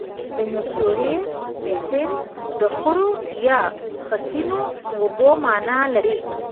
د میسوری سیند د خړو یا خټینو اوبو معنا لري.